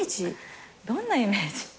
どんなイメージ？